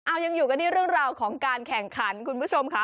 เอายังอยู่กันที่เรื่องราวของการแข่งขันคุณผู้ชมค่ะ